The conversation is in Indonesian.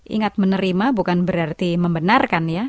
ingat menerima bukan berarti membenarkan ya